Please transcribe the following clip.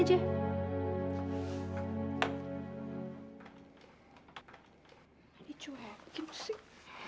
ini cewek bikin musik